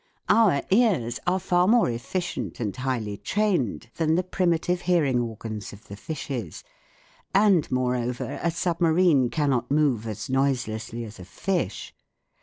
Our ears are far more efficient and highly trained than the primitive hearing organs of the fishes ; and moreover a submarine cannot move as noiselessly as a fish.